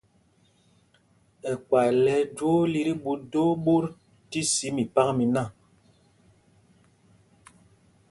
Ɛkpay lɛ ɛjwoo li tí ɛɓu do ɓot tí sī ndol mipak miná.